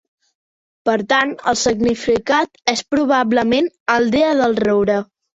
Per tant, el significat és probablement "aldea del roure".